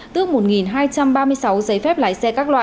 tước một hai trăm ba mươi sáu giấy phép lái xe các loại